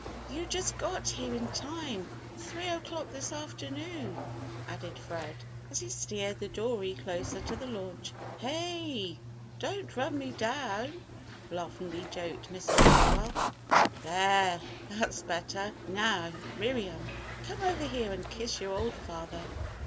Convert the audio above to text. "You just got here in time: three o'clock this afternoon," added Fred, as he steered the dory closer to the launch. "Hey! Don't run me down," laughingly joked Mr. Farwell. "There, that's better! Now, Miriam, come over here and kiss your old father."